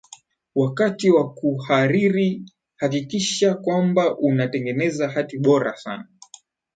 wakati wa kuhariri hakikisha kwanba unatengeza hati bora sana